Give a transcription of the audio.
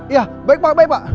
ya baik pak baik pak